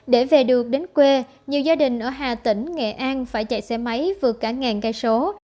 để về được đến quê nhiều gia đình ở hà tĩnh nghệ an phải chạy xe máy vượt cả ngàn cây số